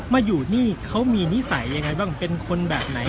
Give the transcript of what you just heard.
มาอยู่นี่เขามีนิสัยยังไงบ้างเป็นคนแบบไหน